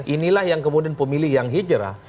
inilah yang kemudian pemilih yang hijrah